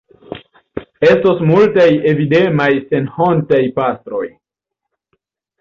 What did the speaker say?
Estos multaj avidemaj senhontaj pastroj.